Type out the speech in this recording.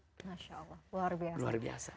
masya allah luar biasa